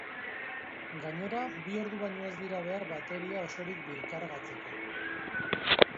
Gainera, bi ordu baino ez dira behar bateria osorik birkargatzeko.